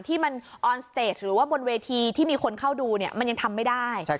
ที่มันออนสเตจหรือว่าบนเวทีที่มีคนเข้าดูเนี่ยมันยังทำไม่ได้